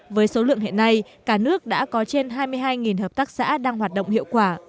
với số lượng hiện nay cả nước đã có trên hai mươi hai hợp tác xã đang hoạt động hiệu quả